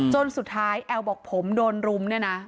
จนสุดท้ายแอลบอกผมโดนรุมเนี่ยนะ